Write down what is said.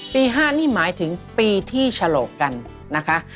ปี๕นี่หมายถึงปีที่ฉลกกันนะคะ